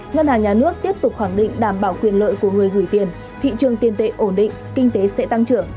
ngân hàng nhà nước tiếp tục khẳng định đảm bảo quyền lợi của người gửi tiền thị trường tiền tệ ổn định kinh tế sẽ tăng trưởng